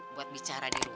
buat bicara di rumah